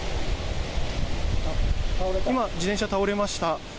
今、自転車が倒れました。